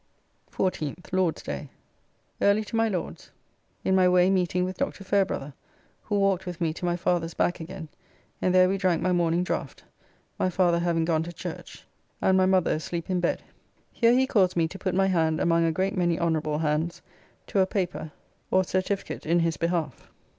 14th (Lord's day). Early to my Lord's, in my way meeting with Dr. Fairbrother, who walked with me to my father's back again, and there we drank my morning draft, my father having gone to church and my mother asleep in bed. Here he caused me to put my hand among a great many honorable hands to a paper or certificate in his behalf.